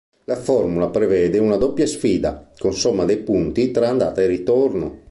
La formula prevede una doppia sfida, con somma dei punti tra andata e ritorno.